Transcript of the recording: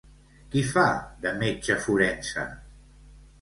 Qui fa de metge-forense?